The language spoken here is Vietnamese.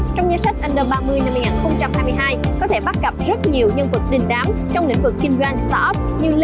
trong danh sách anner ba mươi năm hai nghìn hai mươi hai có thể bắt gặp rất nhiều nhân vật đình đám trong lĩnh vực kinh doanh start up như